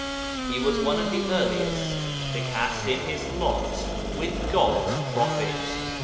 He was one of the earliest to cast in his lot with God's prophet.